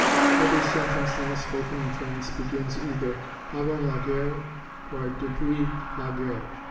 Every sentence now spoken in France begins either "Avant la guerre" or "Depuis la guerre."